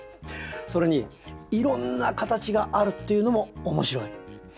それにいろんな形があるっていうのも面白い。